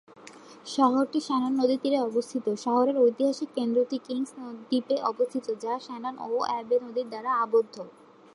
শহরটি শ্যানন নদীর তীরে অবস্থিত, শহরের ঐতিহাসিক কেন্দ্রটি কিংস দ্বীপে অবস্থিত, যা শ্যানন ও অ্যাবে নদী দ্বারা আবদ্ধ।